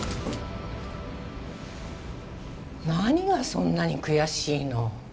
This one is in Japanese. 何がそんなに悔しいの？